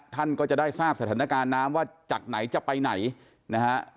ท่านก็จะได้ทราบสถานการณ์น้ำว่าจากไหนจะไปไหนนะฮะ